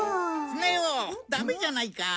スネ夫ダメじゃないか。